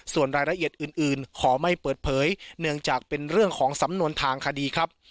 ส่วนรายละเอียดอื่นขอไม่เปิดเผยเนื่องจากเป็นเรื่องของสำนวนทางคดีครับ